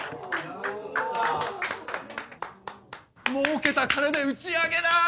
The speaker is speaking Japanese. ・もうけた金で打ち上げだ！